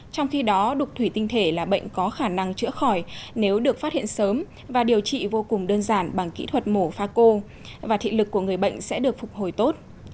trong khi đó đục thủy tinh thể là bệnh có khả năng chữa khỏi nếu được phát hiện sớm và điều trị vô cùng đơn giản bằng kỹ thuật mổ pha cô và thị lực của người bệnh sẽ được phục hồi tốt